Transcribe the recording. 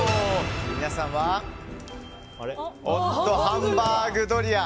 皆さんはハンバーグドリア。